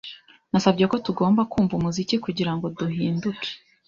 Nasabye ko tugomba kumva umuziki kugirango duhinduke.